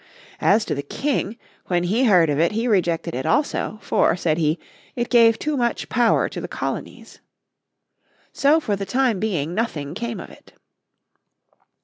As to the King, when he heard of it he rejected it also, for, said he, it gave too much power to the colonies. So for the time being nothing came of it.